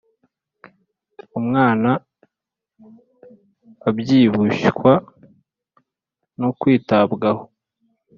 Umwana abyibushywa no kwitabwaho